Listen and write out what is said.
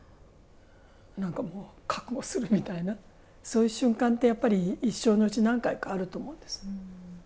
何かもう覚悟するみたいなそういう瞬間ってやっぱり一生のうち何回かあると思うんです。